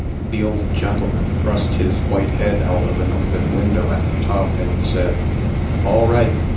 The old gentleman thrust his white head out of an open window at the top, and said, "All right.